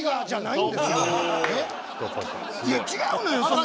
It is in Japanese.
いや違うのよそれ。